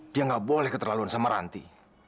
dia nggak boleh keterlaluan sama ranti